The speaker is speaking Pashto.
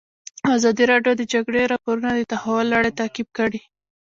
ازادي راډیو د د جګړې راپورونه د تحول لړۍ تعقیب کړې.